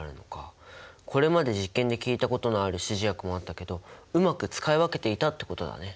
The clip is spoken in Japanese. これまで実験で聞いたことのある指示薬もあったけどうまく使い分けていたってことだね。